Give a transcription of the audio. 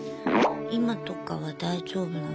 今とかは大丈夫なの？